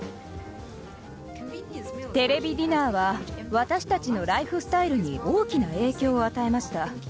ＴＶディナーは私たちのライフスタイルに大きな影響を与えました。